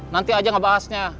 nanti aja ngebahasnya